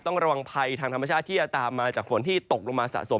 ระวังภัยทางธรรมชาติที่จะตามมาจากฝนที่ตกลงมาสะสม